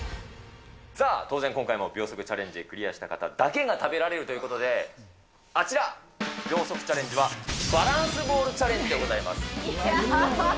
さあ、当然今回も秒速チャレンジ、クリアした方だけが食べられるということで、あちら、秒速チャレンジはバランスボールチャレンジでございます。